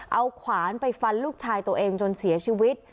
เอาขวานไปฟันลูกชายตัวเองจนเสียชีวิต